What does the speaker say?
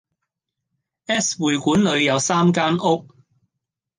S 會館裏有三間屋，